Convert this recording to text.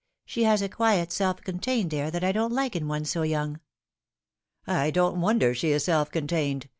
She has a quiet self contained air that I don't like in one BO young." " I don't wonder she is self contained.